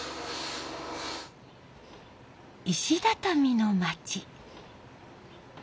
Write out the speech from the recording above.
石畳の町。